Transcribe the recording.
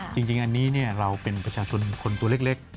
จริงอันนี้เราเป็นประชาชนคนตัวเล็ก